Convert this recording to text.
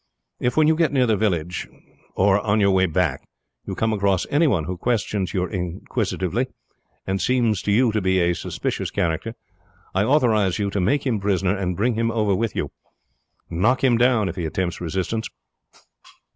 If, when you get near the village, or on your way back, you come across any one who questions you inquisitively, and seems to you to be a suspicious character, I authorize you to make him prisoner and bring him over with you. Knock him down if he attempt resistance.